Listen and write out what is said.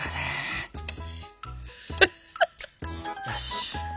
よし！